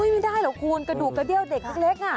ไม่ได้หรอกคุณกระดูกกระเดี้ยวเด็กเล็ก